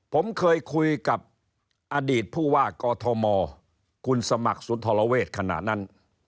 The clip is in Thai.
ผมเคยคุยกับอดีตผู้ว่ากอทมคุณสมัครสุนทรเวทขณะนั้น